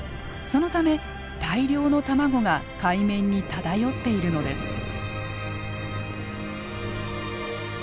そのため大量の卵が海面に漂っているのです。